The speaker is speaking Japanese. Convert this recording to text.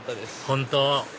本当！